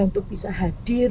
untuk bisa hadir